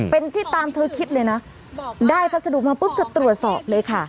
เป็นที่ตามเธอคิดเลยนะได้พัสดุมาปุ๊บจะตรวจสอบเลยค่ะ